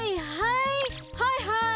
はいはい！